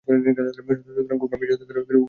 সুতরাং গুণ বা বিশেষণ-রহিত বলিয়া উভয়ই এক।